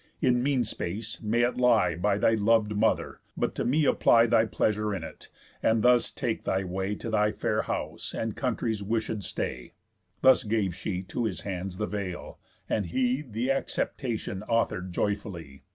In mean space, may it lie By thy lov'd mother; but to me apply Thy pleasure in it, and thus take thy way To thy fair house, and country's wishéd stay." Thus gave she to his hands the veil, and he The acceptation author'd joyfully.